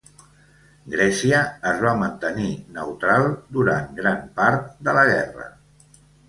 Grècia es va mantenir neutral durant gran part de la guerra.